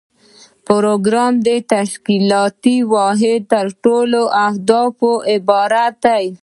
پروګرام د تشکیلاتي واحد له ټولو اهدافو عبارت دی.